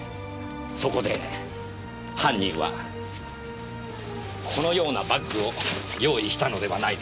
そこで犯人はこのようなバッグを用意したのではないでしょうか。